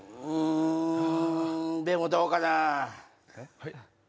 うんでもどうかなえっ？